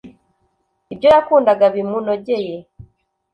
ibyo yakundaga bimunogeye